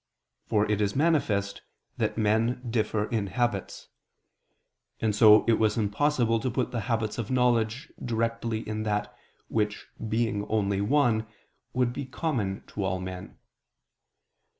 For it is manifest that men differ in habits; and so it was impossible to put the habits of knowledge directly in that, which, being only one, would be common to all men.